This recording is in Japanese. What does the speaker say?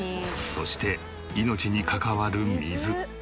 そして命に関わる水。